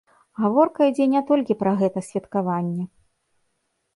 Гаворка ідзе не толькі пра гэта святкаванні.